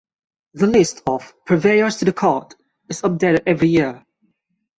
The list of 'purveyors to the Court' is updated every year.